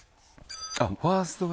あっファーストが。